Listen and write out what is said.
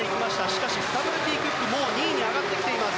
しかし、スタブルティ・クックはもう２位に上がってきています。